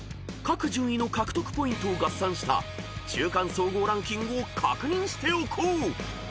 ［各順位の獲得ポイントを合算した中間総合ランキングを確認しておこう］